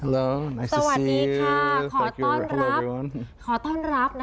สวัสดีค่ะขอต้อนรับ